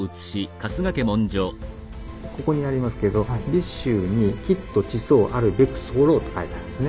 ここにありますけど「尾州にきっと馳走あるべく候」と書いてあるんですね。